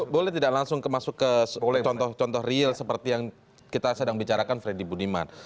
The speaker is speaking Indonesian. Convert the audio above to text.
boleh tidak langsung masuk ke contoh contoh real seperti yang kita sedang bicarakan freddy budiman